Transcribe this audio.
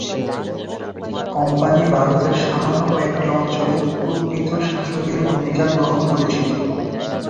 Company ভারতের সামান্য কয়েকটি অঞ্চলে প্রকৃত শাসকের ভূমিকা গ্রহণ করেছিল।